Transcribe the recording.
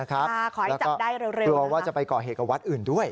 ขอให้จับได้เร็วกลัวว่าจะไปก่อเหตุกับวัดอื่นด้วย